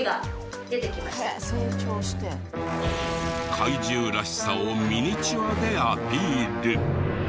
怪獣らしさをミニチュアでアピール。